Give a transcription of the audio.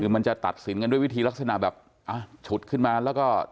คือมันจะตัดสินกันด้วยวิธีลักษณะแบบฉุดขึ้นมาแล้วก็